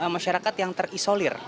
masyarakat yang terisolir